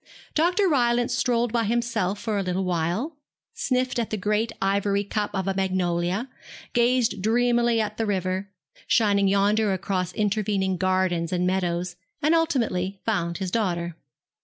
Dr. Rylance strolled by himself for a little while, sniffed at the great ivory cup of a magnolia, gazed dreamily at the river shining yonder across intervening gardens and meadows and ultimately found his daughter.